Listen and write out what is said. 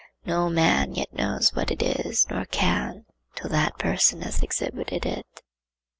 No man yet knows what it is, nor can, till that person has exhibited it.